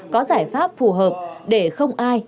có giải pháp phù hợp để không ai